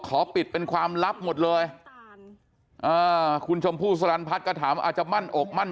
ขอปิดเป็นความลับหมดเลยอ่าคุณชมพู่สลันพัฒน์ก็ถามอาจจะมั่นอกมั่น